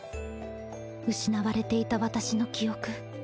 失われていた私の記憶。